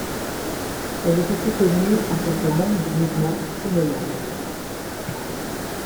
Elle est aussi connue en tant que membre du mouvement fennomane.